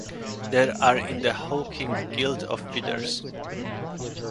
They are in the hawking guild of feeders.